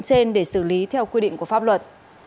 trên để xử lý theo quy định của pháp luật